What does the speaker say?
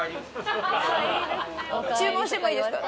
注文してもいいですか？